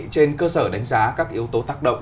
trên cơ sở đánh giá các yếu tố tác động